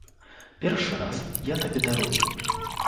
Першы раз я табе дарую.